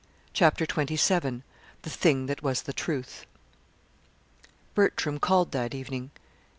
CHAPTER XXVII. THE THING THAT WAS THE TRUTH Bertram called that evening.